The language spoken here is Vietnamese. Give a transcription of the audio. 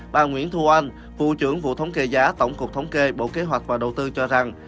bà nguyễn thu anh vụ trưởng vụ thống kê giá tổng cục thống kê bộ kế hoạch và đầu tư cho rằng